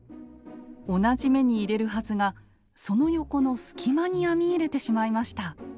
同じ目に入れるはずがその横の隙間に編み入れてしまいました。